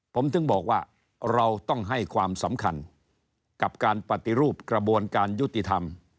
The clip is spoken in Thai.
ผมถึงบอกว่าเราต้องให้ความสำคัญกับการปฏิรูปกระบวนการยุติธรรม